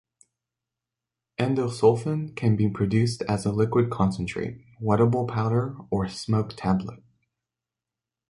Endosulfan can be produced as a liquid concentrate, wettable powder or smoke tablet.